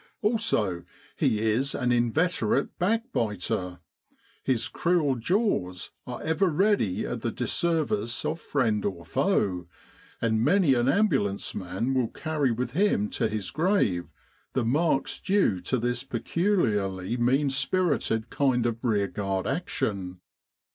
Also he is an inveterate backbiter. His cruel jaws are ever ready at the dis service of friend or foe, and many an ambulance man will carry with him to his grave the marks due to this peculiarly mean spirited kind of rearguard action.